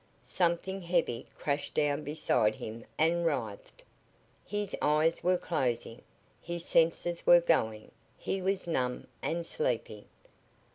Something heavy crashed down beside him and writhed. His eyes were closing, his senses were going, he was numb and sleepy.